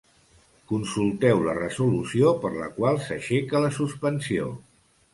Consulteu la Resolució per la qual s'aixeca la suspensió.